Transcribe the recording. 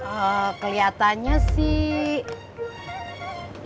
eee keliatannya sih